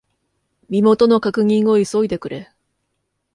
身元の確認を急いでくれ。